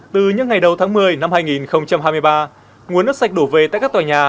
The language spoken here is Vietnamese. từ những ngày đầu tháng một mươi năm hai nghìn hai mươi ba nguồn nước sạch đổ về tại các tòa nhà